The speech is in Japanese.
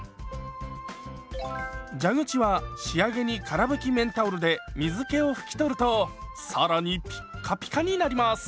蛇口は仕上げにから拭き綿タオルで水けを拭き取ると更にピッカピカになります。